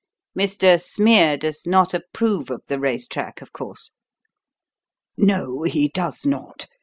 "Mr. Smeer does not approve of the race track, of course?" "No, he does not.